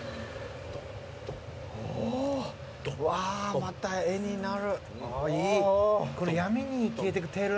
また絵になる。